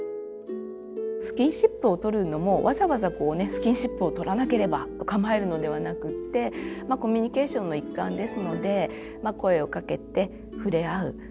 スキンシップを取るのもわざわざスキンシップを取らなければと構えるのではなくってコミュニケーションの一環ですので声をかけて触れ合う。